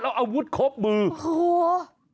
เอาอาวุธครบมือโอ้โห